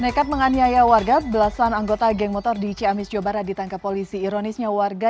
nekat menganiaya warga belasan anggota geng motor di ciamis jawa barat ditangkap polisi ironisnya warga